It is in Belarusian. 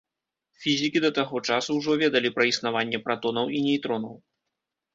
Фізікі да таго часу ўжо ведалі пра існаванне пратонаў і нейтронаў.